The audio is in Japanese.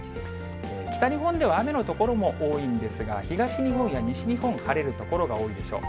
北日本では雨の所も多いんですが、東日本や西日本、晴れる所が多いでしょう。